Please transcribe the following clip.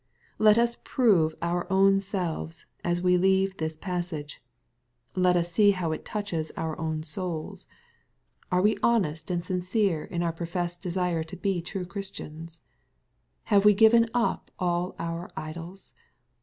Let us prove our own selves, as we leave the passaga Let us see how it touches our own souls. Are we honest MATTHEW, CHAP. XIX. . 241 and sincere in our professed desire to be true Christians ? Have we given up all our idols